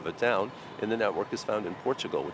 rất quan trọng trong phương pháp phim